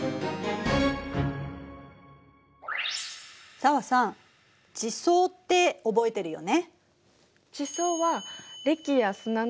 紗和さん「地層」って覚えてるよね。